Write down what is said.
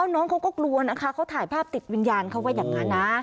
น้องเขาก็กลัวนะคะเขาถ่ายภาพติดวิญญาณเขาว่าอย่างนั้นนะ